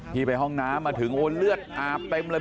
ไปห้องน้ำมาถึงโอ้เลือดอาบเต็มเลย